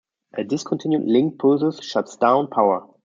A discontinued link pulses shuts down power.